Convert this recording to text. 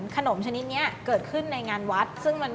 ก็คือเหมือนขนมชนิดนี้เกิดขึ้นในงานวัด